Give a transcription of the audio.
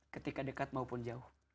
ketika dekat maupun jauh